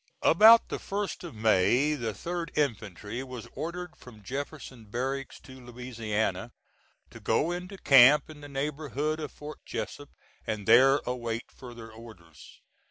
About the 1st of May the 3d infantry was ordered from Jefferson Barracks to Louisiana, to go into camp in the neighborhood of Fort Jessup, and there await further orders.